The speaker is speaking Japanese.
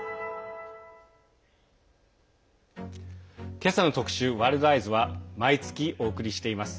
今朝の特集「ワールドＥＹＥＳ」は毎月お送りしています